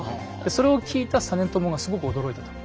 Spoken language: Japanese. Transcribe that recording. それを聞いた実朝がすごく驚いたと。